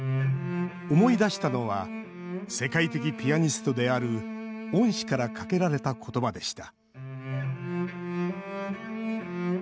思い出したのは世界的ピアニストである恩師からかけられたことばでした。